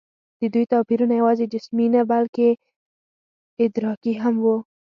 د دوی توپیرونه یواځې جسمي نه، بلکې ادراکي هم وو.